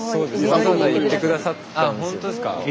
わざわざ行って下さったんですよ。